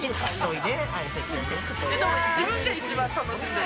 でも自分が一番楽しんでる。